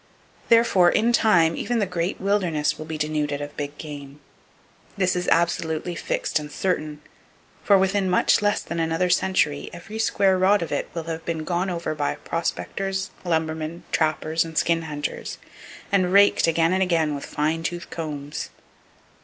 Therefore, in time, even the great wilderness will be denuded of big game. This is absolutely fixed and certain; for within much less than another century, every square rod of it will have been gone over by prospectors, lumbermen, trappers and skin hunters, and raked again and again with fine toothed combs.